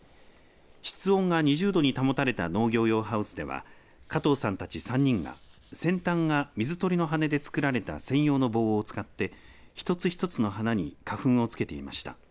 室温が２０度に保たれた農業用ハウスでは加藤さんたち３人が、先端が水鳥の羽で作られた専用の棒を使って１つ１つの花に花粉をつけていました。